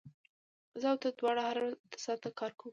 زه او ته دواړه هره ورځ اته ساعته کار کوو